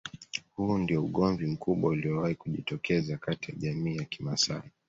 Huu ndio ugomvi mkubwa uliowahi kujitokeza kati ya jamii ya kimasai